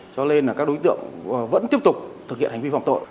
cho nên các đối tượng vẫn tiếp tục thực hiện hành vi phòng tội